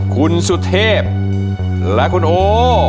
คุณสุทธิบและคุณโอ